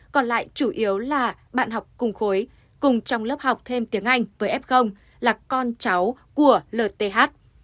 còn lại chủ yếu là bạn học cùng khối cùng trong lớp học thêm tiếng anh với f là con cháu của lth